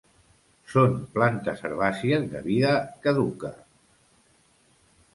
Són plantes herbàcies de vida caduca.